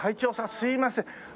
すいません。